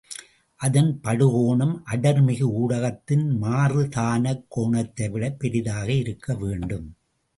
அதன் படுகோணம் அடர்மிகு ஊடகத்தின் மாறுதானக் கோணத்தைவிடப் பெரிதாக இருக்க வேண்டும்.